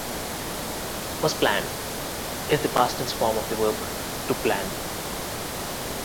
"Was planned" is the past tense form of the verb "to plan."